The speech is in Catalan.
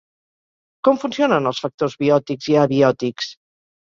Com funcionen els factors biòtics i abiòtics?